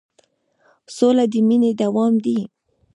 سوله د مینې دوام دی.